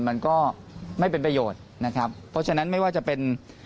มันก็ไม่เป็นประโยชน์นะครับเพราะฉะนั้นไม่ว่าจะเป็น